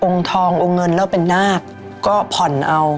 ทององค์เงินแล้วเป็นนาคก็ผ่อนเอา